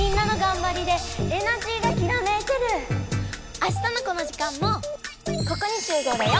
あしたのこの時間もここにしゅうごうだよ！